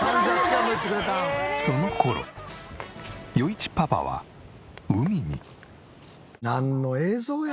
その頃余一パパは海に。